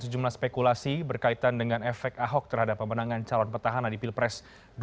sejumlah spekulasi berkaitan dengan efek ahok terhadap pemenangan calon petahana di pilpres dua ribu sembilan belas